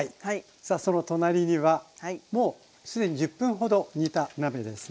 さあその隣にはもうすでに１０分ほど煮た鍋ですね。